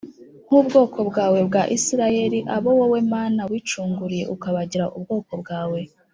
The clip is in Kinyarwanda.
nk ubwoko bwawe bwa Isirayeli abo wowe Mana wicunguriye ukabagira ubwoko bwawe